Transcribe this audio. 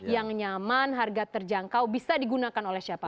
yang nyaman harga terjangkau bisa digunakan oleh siapa